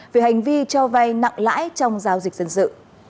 về hành vi cho vay nặng lãi trong giao dịch dân sự